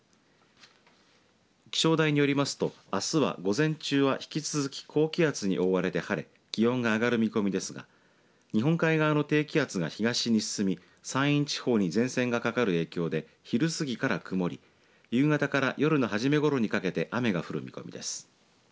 気象台によりますとあすは、午前中は引き続き、高気圧に覆われて晴れ気温が上がる見込みですが日本海側の低気圧が東に進み山陰地方に前線がかかる影響で昼過ぎから曇り夕方から夜の初めごろにかけて雨が降る見込みです。